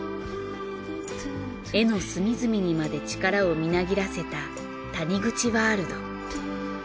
絵の隅々にまで力をみなぎらせた谷口ワールド。